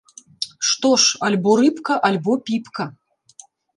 Што ж, альбо рыбка, альбо піпка!